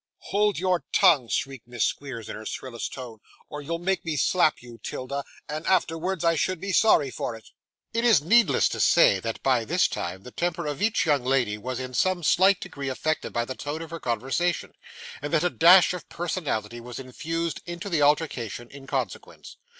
'Hold your tongue,' shrieked Miss Squeers, in her shrillest tone; 'or you'll make me slap you, 'Tilda, and afterwards I should be sorry for it!' It is needless to say, that, by this time, the temper of each young lady was in some slight degree affected by the tone of her conversation, and that a dash of personality was infused into the altercation, in consequence.